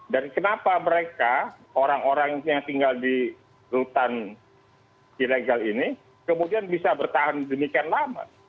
dan kenapa mereka orang orang yang tinggal di hutan ilegal ini kemudian bisa bertahan demikian lama